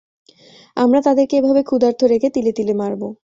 আমরা তাদেরকে এভাবে ক্ষুধার্ত রেখে তিলে তিলে মারব।